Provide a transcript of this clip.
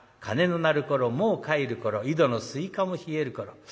鐘の鳴る頃もう帰る頃井戸のすいかも冷える頃。